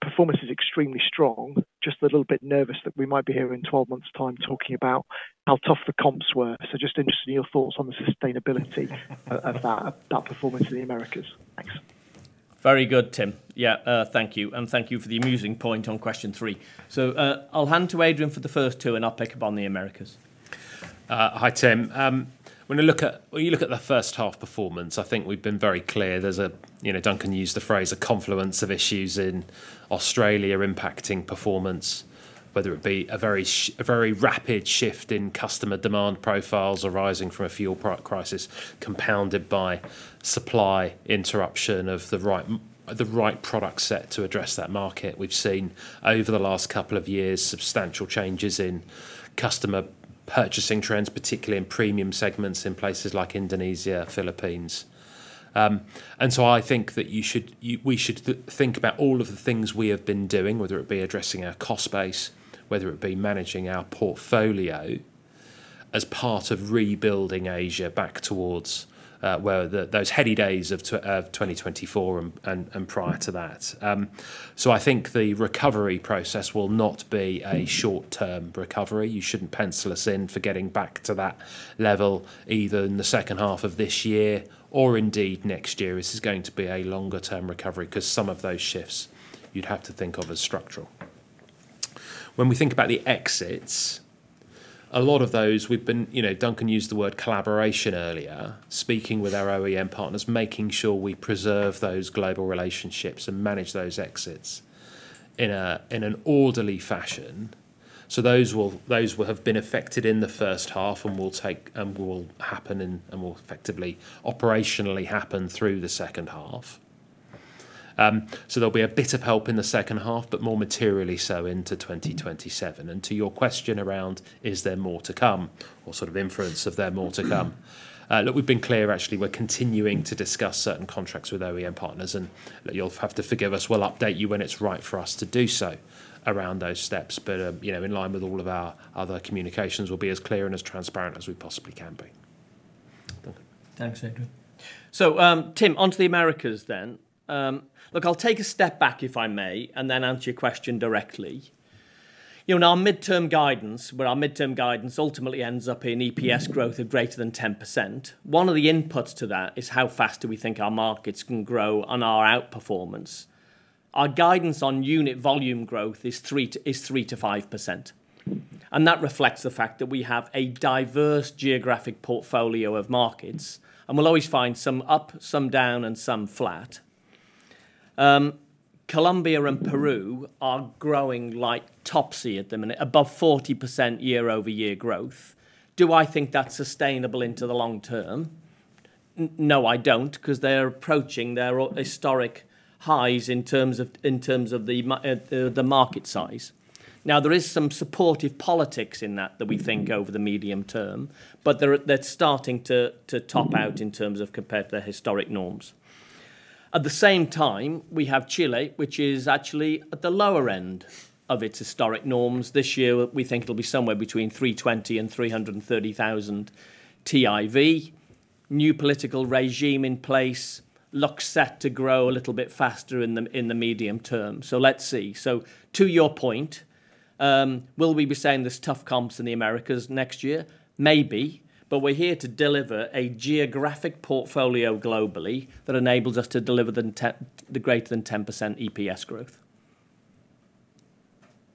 Performance is extremely strong. Just a little bit nervous that we might be here in 12 months' time talking about how tough the comps were. Just interested in your thoughts on the sustainability of that performance in the Americas. Thanks. Very good, Tim. Yeah. Thank you. Thank you for the amusing point on question three. I'll hand to Adrian for the first two, and I'll pick up on the Americas. Hi, Tim. When you look at the first half performance, I think we've been very clear. Duncan used the phrase a confluence of issues in Australia impacting performance, whether it be a very rapid shift in customer demand profiles arising from a fuel crisis compounded by supply interruption of the right product set to address that market. We've seen over the last couple of years substantial changes in customer purchasing trends, particularly in premium segments in places like Indonesia, Philippines. I think that we should think about all of the things we have been doing, whether it be addressing our cost base, whether it be managing our portfolio as part of rebuilding Asia back towards where those heady days of 2024 and prior to that. I think the recovery process will not be a short-term recovery. You shouldn't pencil us in for getting back to that level either in the second half of this year or indeed next year. This is going to be a longer-term recovery because some of those shifts you'd have to think of as structural. When we think about the exits, a lot of those we've been, Duncan used the word collaboration earlier, speaking with our OEM partners, making sure we preserve those global relationships and manage those exits in an orderly fashion. Those will have been affected in the first half and will happen and will effectively operationally happen through the second half. There'll be a bit of help in the second half, but more materially so into 2027. To your question around is there more to come or sort of inference of there more to come. Look, we've been clear actually, we're continuing to discuss certain contracts with OEM partners and you'll have to forgive us. We'll update you when it's right for us to do so around those steps. In line with all of our other communications, we'll be as clear and as transparent as we possibly can be. Duncan. Thanks, Adrian. Tim, onto the Americas. Look, I'll take a step back if I may, answer your question directly. In our midterm guidance, where our midterm guidance ultimately ends up in EPS growth of greater than 10%, one of the inputs to that is how fast do we think our markets can grow on our outperformance. Our guidance on unit volume growth is 3%-5%, and that reflects the fact that we have a diverse geographic portfolio of markets, and we'll always find some up, some down, and some flat. Colombia and Peru are growing like Topsy at the minute, above 40% year-over-year growth. Do I think that's sustainable into the long term? No, I don't, because they're approaching their historic highs in terms of the market size. There is some supportive politics in that that we think over the medium term, they're starting to top out in terms of compared to their historic norms. At the same time, we have Chile, which is actually at the lower end of its historic norms. This year, we think it'll be somewhere between 320,000 and 330,000 TIV. New political regime in place looks set to grow a little bit faster in the medium term. Let's see. To your point, will we be saying there's tough comps in the Americas next year? Maybe. We're here to deliver a geographic portfolio globally that enables us to deliver the greater than 10% EPS growth.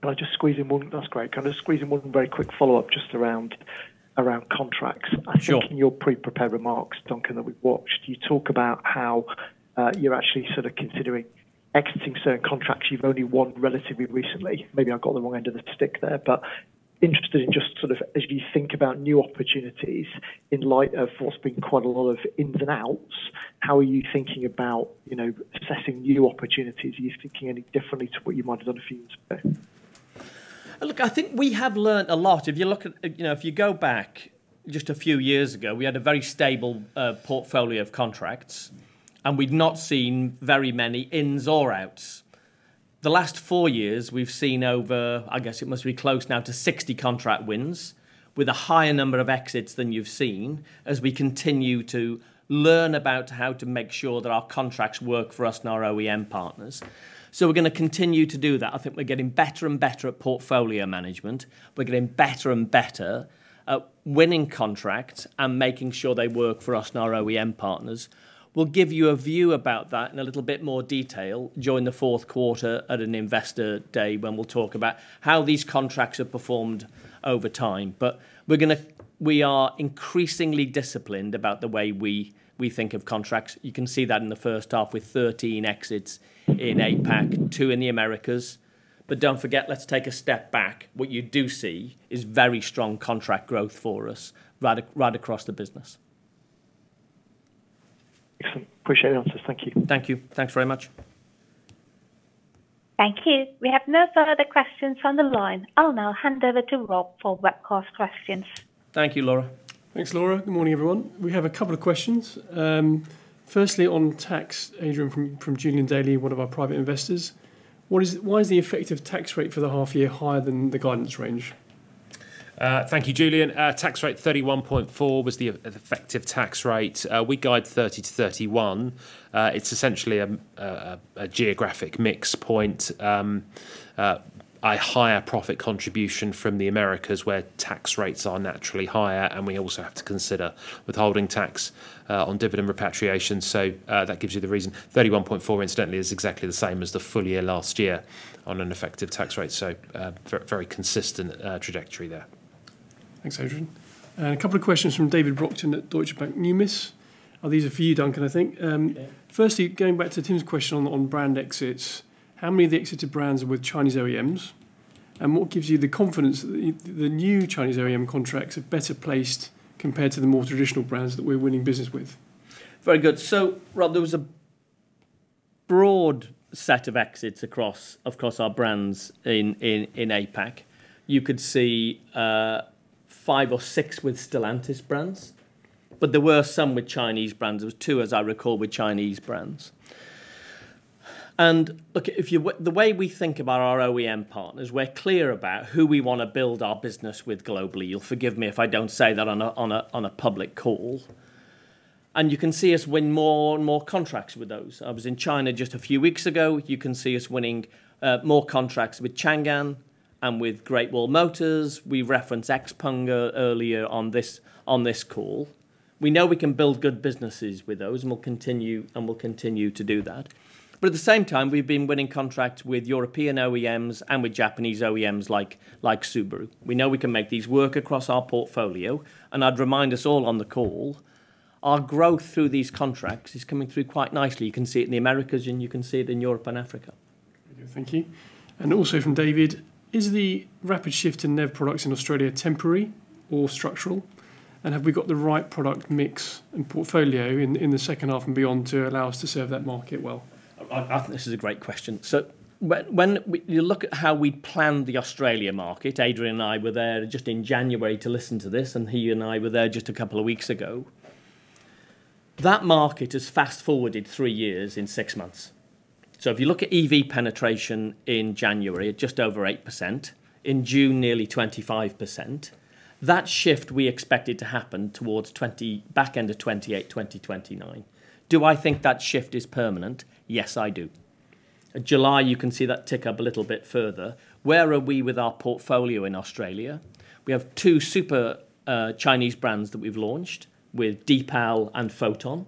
That's great. Can I just squeeze in one very quick follow-up just around contracts? Sure. I think in your pre-prepared remarks, Duncan, that we've watched, you talk about how you're actually sort of considering exiting certain contracts you've only won relatively recently. Maybe I've got the wrong end of the stick there, but interested in just sort of as you think about new opportunities in light of what's been quite a lot of ins and outs, how are you thinking about assessing new opportunities? Are you thinking any differently to what you might have done a few years ago? Look, I think we have learned a lot. If you go back just a few years ago, we had a very stable portfolio of contracts, and we'd not seen very many ins or outs. The last four years we've seen over, I guess it must be close now to 60 contract wins, with a higher number of exits than you've seen, as we continue to learn about how to make sure that our contracts work for us and our OEM partners. We're going to continue to do that. I think we're getting better and better at portfolio management. We're getting better and better at winning contracts and making sure they work for us and our OEM partners. We'll give you a view about that in a little bit more detail during the fourth quarter at an investor day, when we'll talk about how these contracts have performed over time. We are increasingly disciplined about the way we think of contracts. You can see that in the first half with 13 exits in APAC, two in the Americas. Don't forget, let's take a step back. What you do see is very strong contract growth for us right across the business. Excellent. Appreciate the answers. Thank you. Thank you. Thanks very much. Thank you. We have no further questions on the line. I'll now hand over to Rob for webcast questions. Thank you, Laura. Thanks, Laura. Good morning, everyone. We have a couple of questions. Firstly, on tax, [Adrian] from Julian Daly, one of our private investors. Why is the effective tax rate for the half year higher than the guidance range? Thank you, Julian. Tax rate 31.4% was the effective tax rate. We guide 30%-31%. It's essentially a geographic mix point. A higher profit contribution from the Americas, where tax rates are naturally higher, and we also have to consider withholding tax on dividend repatriation, that gives you the reason. 31.4%, incidentally, is exactly the same as the full year last year on an effective tax rate. Very consistent trajectory there. Thanks, Adrian. A couple of questions from David Brockton at Deutsche Bank, Numis. These are for you, Duncan, I think. Yeah. Firstly, going back to Tim's question on brand exits, how many of the exited brands are with Chinese OEMs? What gives you the confidence that the new Chinese OEM contracts are better placed compared to the more traditional brands that we're winning business with? Very good. Rob, there was a broad set of exits across our brands in APAC. You could see five or six with Stellantis brands, but there were some with Chinese brands. There was two, as I recall, with Chinese brands. Look, the way we think about our OEM partners, we're clear about who we want to build our business with globally. You'll forgive me if I don't say that on a public call. You can see us win more and more contracts with those. I was in China just a few weeks ago. You can see us winning more contracts with Changan and with Great Wall Motors. We referenced XPENG earlier on this call. We know we can build good businesses with those, and we'll continue to do that. At the same time, we've been winning contracts with European OEMs and with Japanese OEMs like Subaru. We know we can make these work across our portfolio, and I'd remind us all on the call, our growth through these contracts is coming through quite nicely. You can see it in the Americas, and you can see it in Europe and Africa. Thank you. Also from David, is the rapid shift in NEV products in Australia temporary or structural? Have we got the right product mix and portfolio in the second half and beyond to allow us to serve that market well? I think this is a great question. When you look at how we planned the Australia market, Adrian and I were there just in January to listen to this, and he and I were there just a couple of weeks ago. That market has fast-forwarded three years in six months. If you look at EV penetration in January, at just over 8%, in June, nearly 25%, that shift we expected to happen towards back end of 2028, 2029. Do I think that shift is permanent? Yes, I do. July, you can see that tick up a little bit further. Where are we with our portfolio in Australia? We have two super Chinese brands that we've launched, with Deepal and Foton,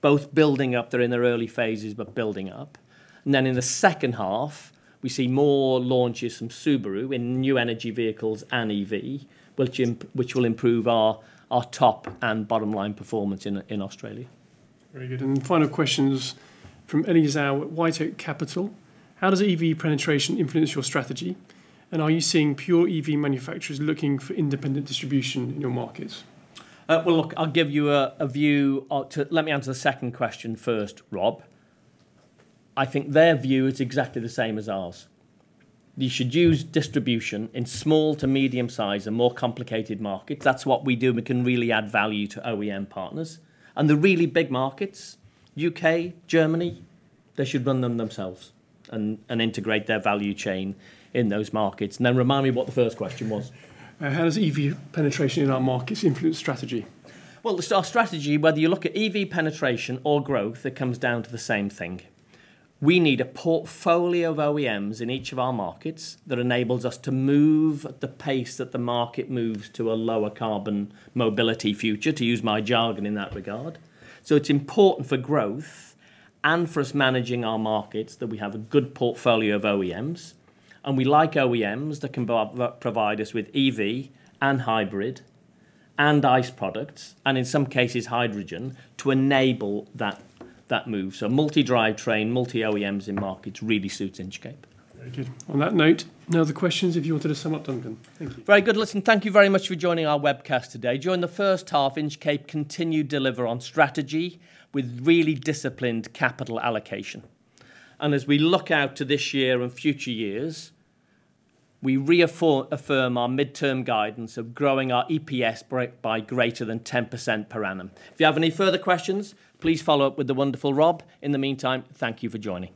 both building up. They're in their early phases, but building up. In the second half, we see more launches from Subaru in new energy vehicles and EV, which will improve our top and bottom line performance in Australia. Very good. Final question is from [Ellie Zhao] at White Oak Capital. How does EV penetration influence your strategy? Are you seeing pure EV manufacturers looking for independent distribution in your markets? Well, look, I'll give you a view. Let me answer the second question first, Rob. I think their view is exactly the same as ours. You should use distribution in small to medium size and more complicated markets. That's what we do, and we can really add value to OEM partners. The really big markets, U.K., Germany, they should run them themselves and integrate their value chain in those markets. Then remind me what the first question was. How does EV penetration in our markets influence strategy? Well, our strategy, whether you look at EV penetration or growth, it comes down to the same thing. We need a portfolio of OEMs in each of our markets that enables us to move at the pace that the market moves to a lower carbon mobility future, to use my jargon in that regard. It's important for growth and for us managing our markets that we have a good portfolio of OEMs. We like OEMs that can provide us with EV and hybrid and ICE products, and in some cases, hydrogen, to enable that move. Multi-drivetrain, multi-OEMs in markets really suits Inchcape. Very good. On that note, no other questions if you wanted to sum up, Duncan. Thank you. Very good. Listen, thank you very much for joining our webcast today. During the first half, Inchcape continued to deliver on strategy with really disciplined capital allocation. As we look out to this year and future years, we reaffirm our midterm guidance of growing our EPS by greater than 10% per annum. If you have any further questions, please follow up with the wonderful Rob. In the meantime, thank you for joining.